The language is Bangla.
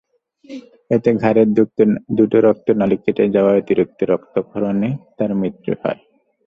এতে ঘাড়ের দুটি রক্তনালি কেটে যাওয়ায় অতিরিক্ত রক্তক্ষরণে তাঁর মৃত্যু হয়।